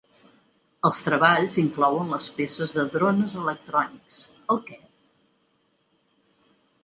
Els treballs inclouen les peces de drones electrònics El què?